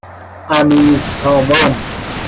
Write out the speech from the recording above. امیرسامان